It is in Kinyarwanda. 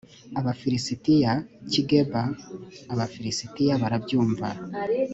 abafilisitiya cy’i geba. abafilisitiya barabyumva